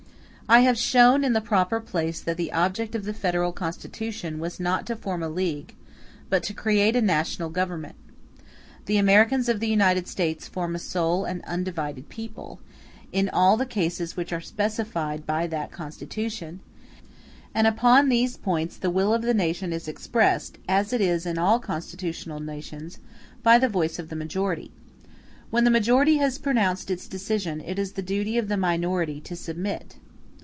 I have shown in the proper place that the object of the Federal Constitution was not to form a league, but to create a national government. The Americans of the United States form a sole and undivided people, in all the cases which are specified by that Constitution; and upon these points the will of the nation is expressed, as it is in all constitutional nations, by the voice of the majority. When the majority has pronounced its decision, it is the duty of the minority to submit.